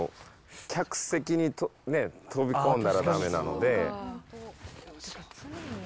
客席に飛び込んだらだめなので。